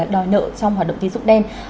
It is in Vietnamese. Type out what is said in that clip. đòi nợ trong hoạt động tiến dụng đen